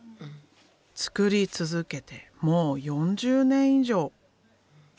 作り続けてもう４０年以上。